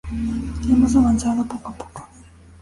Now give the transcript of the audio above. Hemos avanzado poco a poco.